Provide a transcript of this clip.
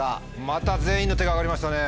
また全員の手が挙がりましたね。